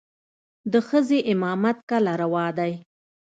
د ښځې امامت کله روا دى.